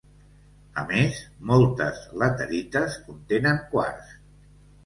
A més, moltes laterites contenen quars.